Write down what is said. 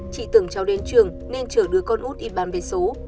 chị tưởng cháu đến trường nên chở đứa con út đi bán vé số